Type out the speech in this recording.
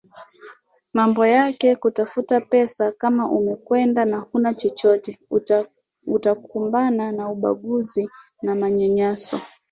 mambo yake kutafuta pesaKama umekwenda na huna chochote utakumbana na ubaguzi na manyanyaso